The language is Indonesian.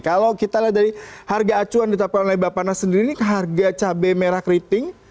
kalau kita lihat dari harga acuan di tapak lebar panas sendiri ini harga cabai merah keriting